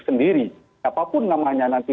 sendiri apapun namanya nanti